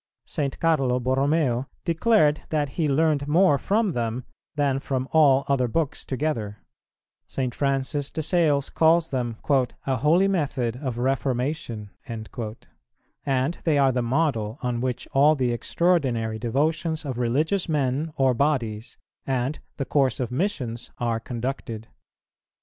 St. Carlo Borromeo declared that he learned more from them than from all other books together; St. Francis de Sales calls them "a holy method of reformation," and they are the model on which all the extraordinary devotions of religious men or bodies, and the course of missions, are conducted.